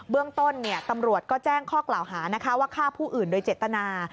เรื่องต้นตำรวจก็แจ้งข้อกล่าวหานะคะว่าฆ่าผู้อื่นโดยเจตนา